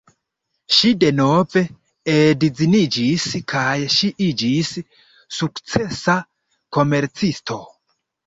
Ŝi denove edziniĝis kaj ŝi iĝis sukcesa komercisto.